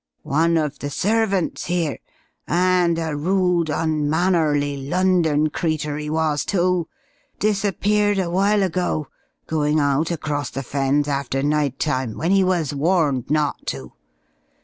One of the servants 'ere and a rude, unmannerly London creetur 'e was too! disappeared a while ago, goin' out across the Fens after night time when 'e was warned not to.